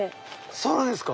そうなんですか。